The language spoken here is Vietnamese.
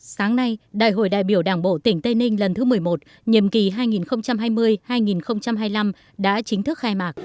sáng nay đại hội đại biểu đảng bộ tỉnh tây ninh lần thứ một mươi một nhiệm kỳ hai nghìn hai mươi hai nghìn hai mươi năm đã chính thức khai mạc